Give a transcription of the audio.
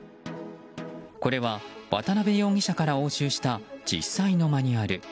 これは、渡辺容疑者から押収した実際のマニュアル。